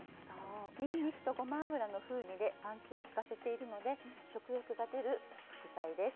にんにくとごま油の風味でパンチを利かせているので食欲が出る副菜です。